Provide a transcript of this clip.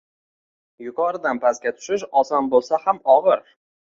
Yuqoridan pastga tushish oson bo‘lsa ham og‘ir.